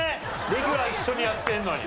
レギュラー一緒にやってるのに。